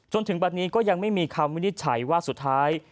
จนถึงวันนี้ก็ยังไม่มีคำวินิจฉัยว่าสุดท้าย